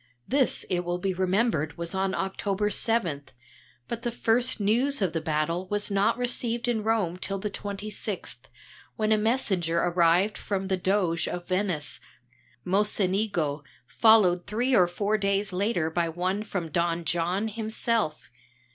This, it will be remembered, was on October 7, but the first news of the battle was not received in Rome till the 26th, when a messenger arrived from the Doge of Venice, Mocenigo, followed three or four days later by one from Don John himself.